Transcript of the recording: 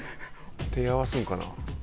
手合わすんかな？